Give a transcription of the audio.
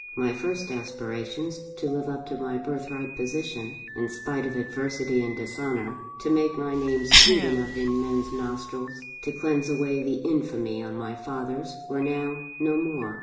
My first aspirations to live up to my birth right position, in spite of adversity and dishonour, to make my name sweet enough in men's nostrils, to cleanse away the infamy on my father's, were now no more.